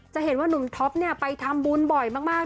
จะเห็นว่านุ่มท็อปไปทำบุญบ่อยมาก